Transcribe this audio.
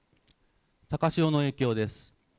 高潮の影響です。